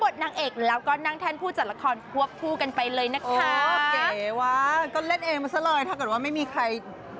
ถูกต้องแล้วนี่ชิคกี้พายยังสวย